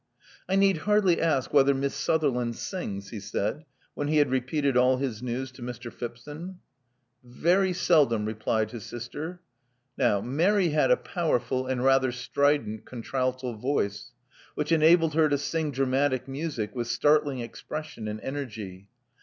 '*I need hardly ask whether Miss Sutherland sings," he said, when he had repeated all his news to Mr. Phipson. '*Very seldom, replied his sister. Now Mary had a powerful and rather strident contralto voice, which enabled her to sing dramatic music with startling expression and energy.